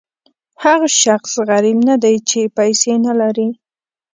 هغه شخص غریب نه دی چې پیسې نه لري.